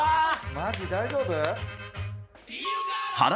マジ大丈夫？